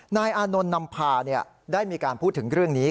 นายอานนท์นำพาได้มีการพูดถึงเรื่องนี้